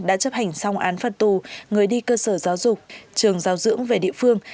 đã chấp hành xong án phạt tù người đi cơ sở giáo dục trường giáo dưỡng về địa phương